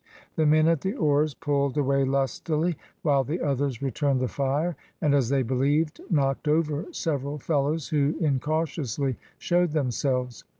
The men at the oars pulled away lustily, while the others returned the fire, and, as they believed, knocked over several fellows who incautiously showed themselves.